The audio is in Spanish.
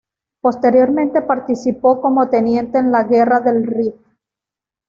Posteriormente participó como teniente en la Guerra del Rif.